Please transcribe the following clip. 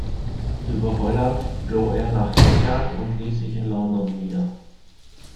Über Holland floh er nach England und ließ sich in London nieder.